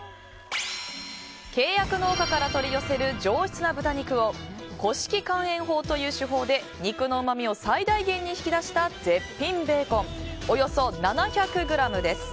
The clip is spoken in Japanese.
契約農家から取り寄せる上質な豚肉を古式乾塩法という手法で肉のうまみを最大限に引き出した絶品ベーコンおよそ７００ｇです。